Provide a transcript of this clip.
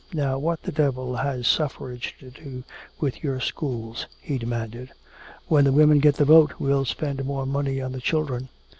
"Now what the devil has suffrage to do with your schools?" he demanded. "When the women get the vote, we'll spend more money on the children."